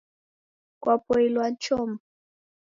Kwapoilwa ni chombo?